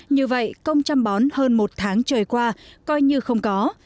như vậy công chăm bón hơn một tháng trời qua coi như không có